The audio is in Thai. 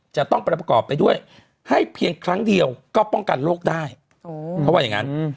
จะต้องประกอบไปด้วยให้เพียงครั้งเดียวก็ป้องกันโรคได้เขาว่าอย่างนั้น